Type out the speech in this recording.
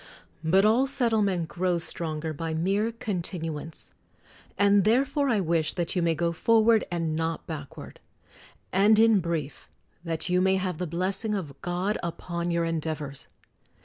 But all settlement grows stronger by mere continuance. And therefore I wish that you may go forward and not backward ; and in brief that you may have the blessing of God upon your endeavors